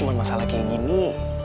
tiba tiba masalah kayak gini